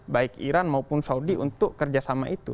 baik iran maupun saudi untuk kerjasama itu